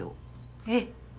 えっ？